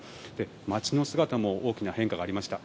街の姿にも大きな変化がありました。